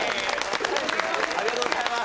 ありがとうございます